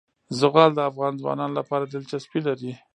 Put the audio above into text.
زغال د افغان ځوانانو لپاره دلچسپي لري.